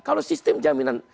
kalau sistem jaminan